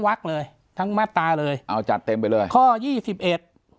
วักเลยทั้งมาตราเลยเอาจัดเต็มไปเลยข้อยี่สิบเอ็ด